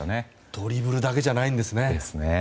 ドリブルだけじゃないんですね。